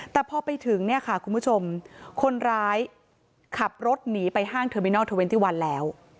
แต่พอไปถึงคุณผู้ชมคนร้ายขับรถหนีไปห้างเทอร์มินัล๒๑แล้ว